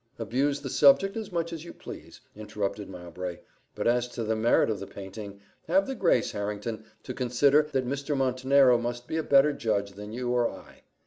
"Abuse the subject as much as you please," interrupted Mowbray; "but as to the merit of the painting, have the grace, Harrington, to consider, that Mr. Montenero must be a better judge than you or I."